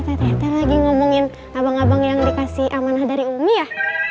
nah pasti tete tete lagi ngomongin abang abang yang dikasih amanah dari umi ya